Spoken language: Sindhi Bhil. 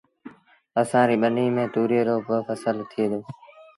اسآݩ ريٚ ٻنيٚ ميݩ تُوريئي رو با ڦسل ٿئي دو